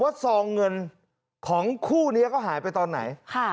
ซองเงินของคู่นี้เขาหายไปตอนไหน